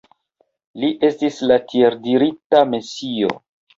Li estis la tieldirita Mesio.